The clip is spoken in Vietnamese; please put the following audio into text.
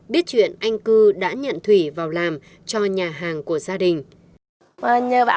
biết chuyện anh cư đã nhận thủy vào làm cho nhà hàng của gia đình